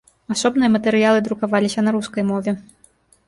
Асобныя матэрыялы друкаваліся на рускай мове.